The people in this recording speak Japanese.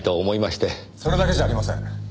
それだけじゃありません。